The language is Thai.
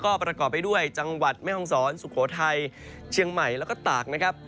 ก็ประกอบไปด้วยจังหวัดแม่ห้องศรสุโขทัยเชียงใหม่แล้วก็ตากนะครับ